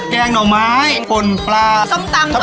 เตี๊ยงเดาไม้ขนปลาส้มตำ